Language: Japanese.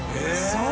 そう。